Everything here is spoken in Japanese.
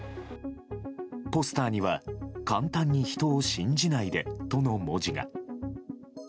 ポスターには「簡単に人を信じないで」との文字が。